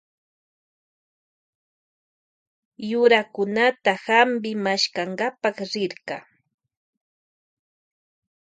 Rirka maskankapa hampi yurakunata.